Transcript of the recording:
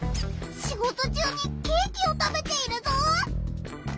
仕事中にケーキを食べているぞ！